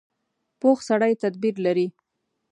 پوخ سړی تدبیر لري